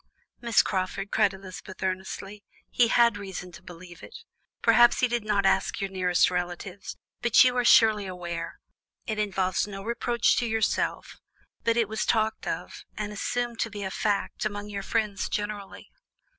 "Miss Crawford!" cried Elizabeth earnestly; "he had reason to believe it. Perhaps he did not ask your nearest relatives, but you are surely aware it involves no reproach to yourself but it was talked of, and assumed to be a fact, among your friends generally?"